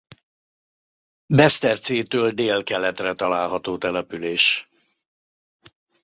Besztercétől délkeletre található település.